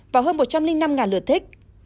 và hơn một trăm linh năm ngàn lượt thích